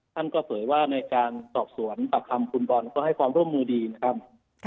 ท่านก็เผยว่าในการสอบสวนปากคำคุณบอลก็ให้ความร่วมมือดีนะครับ